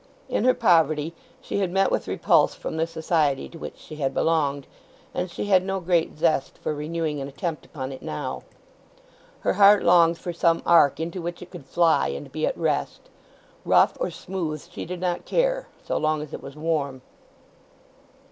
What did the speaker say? In her poverty she had met with repulse from the society to which she had belonged, and she had no great zest for renewing an attempt upon it now. Her heart longed for some ark into which it could fly and be at rest. Rough or smooth she did not care so long as it was warm.